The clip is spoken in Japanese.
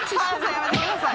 やめてください